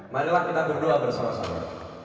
marilah kita berdoa bersama sama